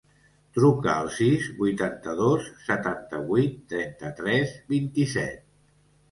Truca al sis, vuitanta-dos, setanta-vuit, trenta-tres, vint-i-set.